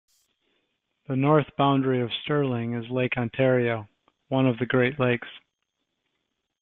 The north boundary of Sterling is Lake Ontario, one of the Great Lakes.